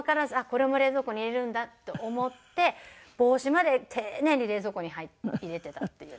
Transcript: これも冷蔵庫に入れるんだと思って帽子まで丁寧に冷蔵庫に入れていたっていう。